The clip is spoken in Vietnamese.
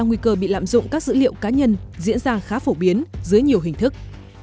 nguy cơ bị lạm dụng các dữ liệu cá nhân diễn ra khá phổ biến dưới nhiều hình thức